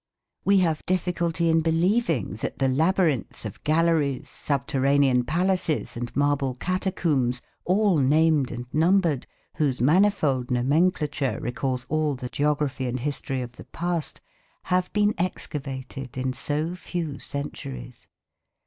We have difficulty in believing that the labyrinth of galleries, subterranean palaces and marble catacombs, all named and numbered, whose manifold nomenclature recalls all the geography and history of the past, have been excavated in so few centuries.